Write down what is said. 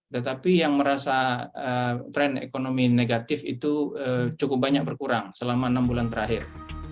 tetapi yang merasa tren ekonomi negatif itu cukup banyak berkurang selama enam bulan terakhir